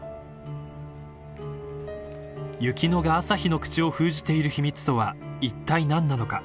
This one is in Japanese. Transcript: ［雪乃が朝陽の口を封じている秘密とはいったい何なのか］